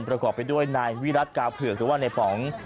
ประกอบไปด้วยนายวิรัติกาวเผือกหรือว่าในป๋อง